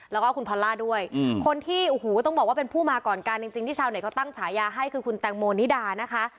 แล้วก็คุณพอลล่าด้วยคนที่โอ้โหต้องบอกว่าเป็นผู้มาก่อนการจริงที่ชาวเน็ตเขาตั้งฉายาให้คือคุณแตงโมนิดานะคะ